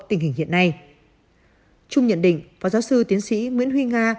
tình hình hiện nay trung nhận định phó giáo sư tiến sĩ nguyễn huy nga